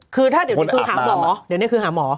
คือถ้าเดี๋ยวนี้คือหาหมอ